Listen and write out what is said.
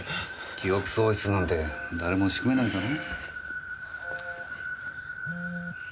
記憶喪失なんて誰も仕組めないだろ？